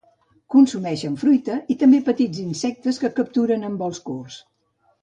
Consumeixen fruita i també petits insectes que capturen en vols curts.